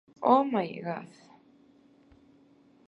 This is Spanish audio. Oh My G!